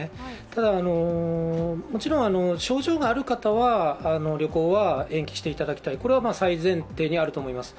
ただ、もちろん症状がある方は、旅行は延期していただきたい、これは最前提にあると思います。